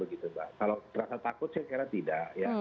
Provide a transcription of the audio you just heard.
kalau terasa takut saya kira tidak